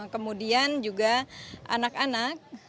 kemudian juga anak anak